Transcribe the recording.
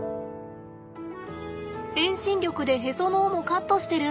遠心力でへその緒もカットしてる！